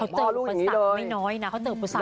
เขาเจอปศักดิ์ไม่น้อยนะเขาเจอปศักดิ์เยอะนะ